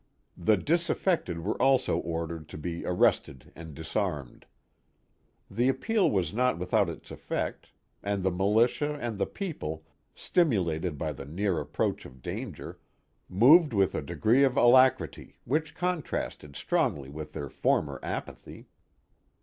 The dis affected were also ordered to be arrested and disarmed. The appeal was not without its effect, and the militia and the people, stimulated by the near approach of danger, moved with a degree of alacrity which contrasted strongly with their former apathy.